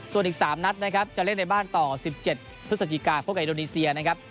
ส่วนอีก๓นัดนะครับจะเล่นในบ้านต่อ๑๗พฤศจิกาพบกับอินโดนีเซียนะครับ